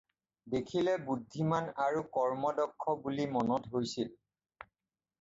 দেখিলে বুদ্ধিমান আৰু কৰ্মদক্ষ বুলি মনত হৈছিল।